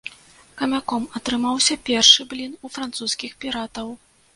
Камяком атрымаўся першы блін у французскіх піратаў.